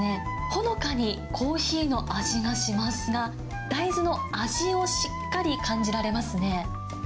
ほのかにコーヒーの味がしますが、大豆の味をしっかり感じられますね。